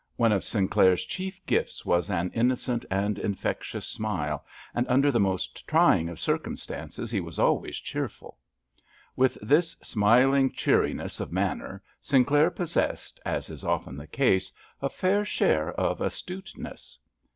One of Sinclair's chief gifts was an innocent and infectious smile, and under the most trying of circumstances he was always cheerful. With this smiling cheeriness of manner Sinclair possessed, as is often the case, a fair share of astuteness.